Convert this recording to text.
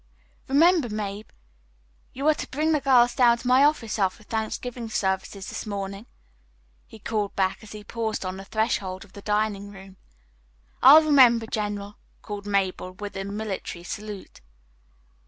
"Remember, Mab, you are to bring the girls down to my office after Thanksgiving services this morning," he called back as he paused on the threshold of the dining room. "I'll remember, General," called Mabel, with a military salute.